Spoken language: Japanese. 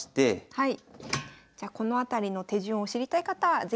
はい。